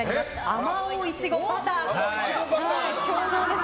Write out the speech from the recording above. あまおういちごバターです。